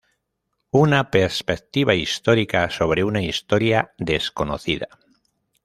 Una perspectiva histórica sobre una historia desconocida.